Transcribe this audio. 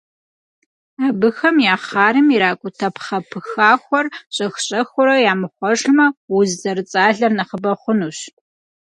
Абыхэм я хъарым иракӏутэ пхъэ пыхахуэр щӏэх-щӏэхыурэ ямыхъуэжмэ, уз зэрыцӏалэр нэхъыбэ хъунущ.